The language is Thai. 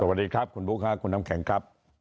สวัสดีครับคุณบุ๊คค่ะคุณน้ำแข็งครับ